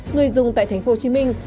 người dùng tại thành phố hồ chí minh